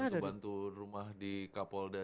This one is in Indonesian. bantu bantu rumah di kapolda